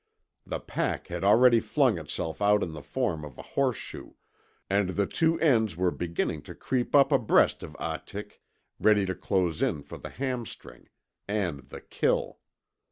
The pack had already flung itself out in the form of a horse shoe, and the two ends were beginning to creep up abreast of Ahtik, ready to close in for the hamstring and the kill.